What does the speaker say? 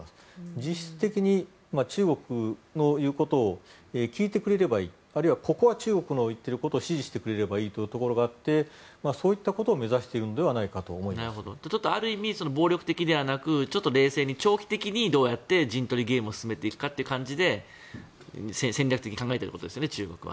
実質的に中国の言うことを聞いてくれればいいあるいはここは中国の言っていることを支持してくれればいいというところがあってそういったことを目指しているのではないかとある意味、暴力的ではなく長期的にどうやって陣取りゲームを進めていくかという感じで戦略的に考えてるってことですよね中国は。